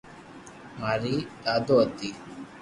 ماري دادو ھتي